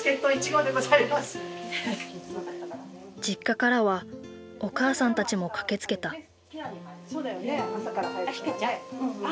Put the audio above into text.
実家からはお母さんたちも駆けつけた。